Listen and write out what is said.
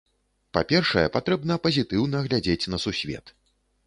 Па-першае патрэбна пазітыўна глядзець на сусвет.